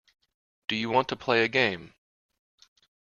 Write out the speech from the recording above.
Do you want to play a game.